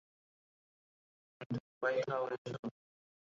কিন্তু উপায় ঠাউরেছ?